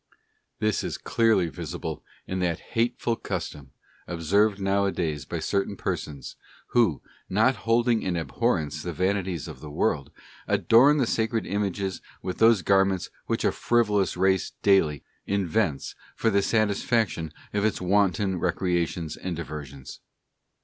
This is clearly visible in that hateful custom observed nowadays by certain persons who, not holding in abhorrence the vanities of the world, adorn the Sacred Images with those garments which a frivolous race daily invents for the satisfaction of its wanton recreations and diversions.